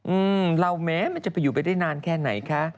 อืมเราแม้มันจะไปอยู่ไปได้นานแค่ไหนคะ